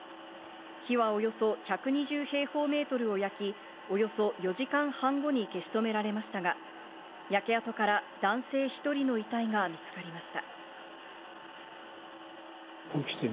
火はおよそ１２０平方メートルを焼き、およそ４時間半後に消し止められましたが、焼け跡から男性１人の遺体が見つかりました。